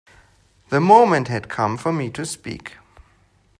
The moment had come for me to speak.